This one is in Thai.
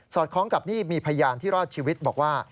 คล้องกับนี่มีพยานที่รอดชีวิตบอกว่า